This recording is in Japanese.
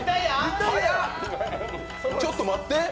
ちょっと待って。